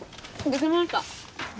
出来ました。